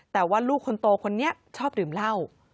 แต่ว่าลูกคนโตคนนี้ชอบดื่มเหล้า